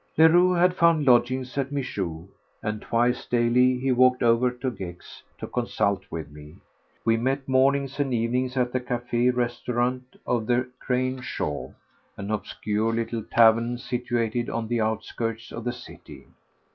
Leroux had found lodgings at Mijoux, and twice daily he walked over to Gex to consult with me. We met, mornings and evenings, at the café restaurant of the Crâne Chauve, an obscure little tavern situated on the outskirts of the city.